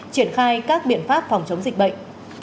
triển khai các biện pháp phòng chống dịch bệnh